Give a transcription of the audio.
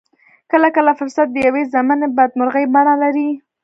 کله کله فرصت د يوې ضمني بدمرغۍ بڼه لري.